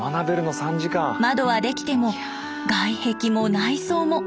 窓はできても外壁も内装も。